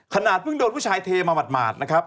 ขนาดเพิ่งโดนผู้ชายเทมาหมาดนะครับ